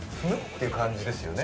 ていう感じですよね